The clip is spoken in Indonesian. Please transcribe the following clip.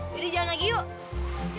jadi jangan lagi yuk